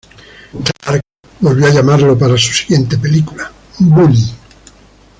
Clark volvió a llamarlo para su siguiente película, "Bully".